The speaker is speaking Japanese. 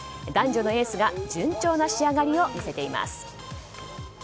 男女のエースが順調な仕上がりを見せています。